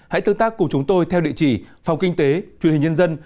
hãy tương tác cùng chúng tôi theo địa chỉ phòng kinh tế truyền hình nhân dân